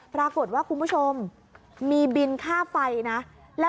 ปรากฏว่าคุณผู้ชมมีบินค่าไฟนะ